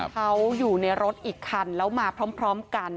เขาอยู่ในรถอีกคันแล้วมาพร้อมกัน